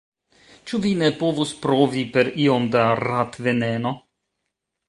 Ĉu vi ne povus provi per iom da ratveneno?